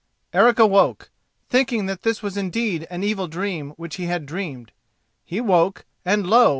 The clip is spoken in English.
Eric awoke, thinking that this was indeed an evil dream which he had dreamed. He woke, and lo!